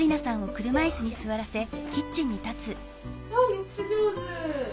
めっちゃ上手。